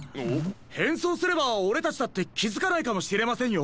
へんそうすればオレたちだってきづかないかもしれませんよ。